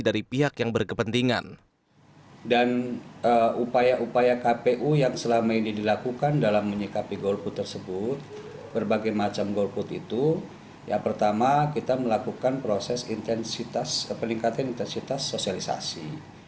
kpu kota cilgon juga telah berkoordinasi dengan pihak bawah seluruh untuk mengkaji permasalahan tersebut dan memastikan tidak adanya dorongan atau intimidasi